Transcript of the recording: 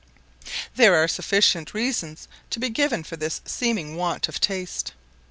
There are several sufficient reasons to be given for this seeming want of taste.